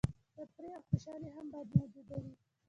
تفریح او خوشحالي هم باید موجوده وي.